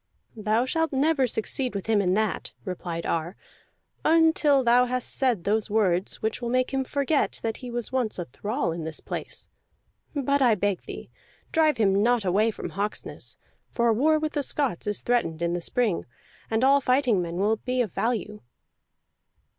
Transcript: "Thou shalt never succeed with him in that," replied Ar, "until thou hast said those words which will make him forget that he was once a thrall in this place. But this I beg thee, drive him not away from Hawksness; for war with the Scots is threatened in the spring, and all fighting men will be of value."